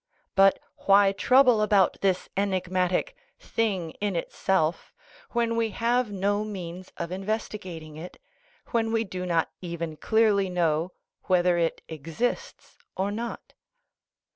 But why trouble about this 380 CONCLUSION enigmatic "thing in itself" when we have no means of investigating it, when we do not even clearly know whether it exists or not?